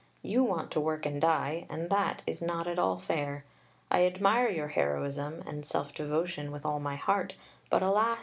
You want to work and die, and that is not at all fair. I admire your heroism and self devotion with all my heart, but alas!